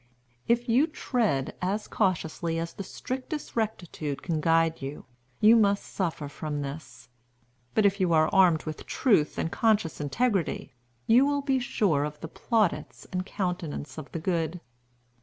If you tread as cautiously as the strictest rectitude can guide you, you must suffer from this. But if you are armed with truth and conscious integrity, you will be sure of the plaudits and countenance of the good.